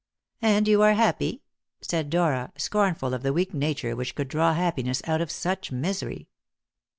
"And you are happy?" said Dora, scornful of the weak nature which could draw happiness out of such misery.